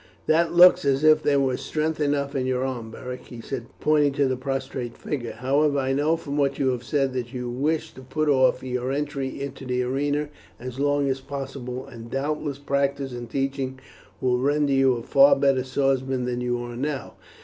"That looks as if there was strength enough in your arm, Beric," he said pointing to the prostrate figure. "However, I know from what you have said that you wish to put off your entry into the arena as long as possible, and doubtless practice and teaching will render you a far better swordsman than you are now.